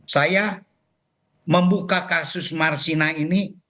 saya membuka kasus marsina ini